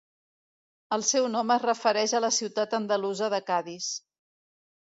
El seu nom es refereix a la ciutat andalusa de Cadis.